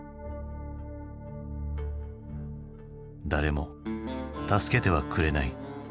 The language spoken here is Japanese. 誰も助けてはくれない。